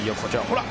「ほら！